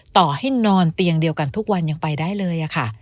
ต่อให้นอนเตียงเดียวกันทุกวันยังไปได้เลยค่ะ